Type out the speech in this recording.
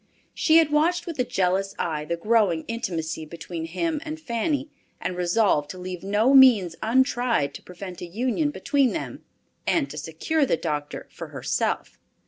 She had watched with a jealous eye the growing intimacy between him and Fanny, and resolved to leave no means untried to prevent a union between them, and to secure the doctor for herself.